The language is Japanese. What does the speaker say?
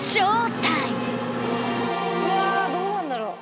うわどうなるんだろう。